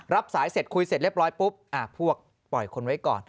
รับสายเสร็จคุยเสร็จเรียบร้อยปุ๊บพวกปล่อยคนไว้ก่อน